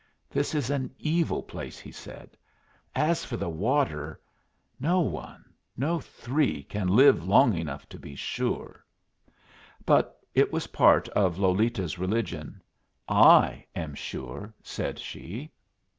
"This is an evil place," he said. "As for the water no one, no three, can live long enough to be sure." But it was part of Lolita's religion. "I am sure," said she.